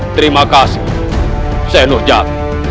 terima kasih senur jat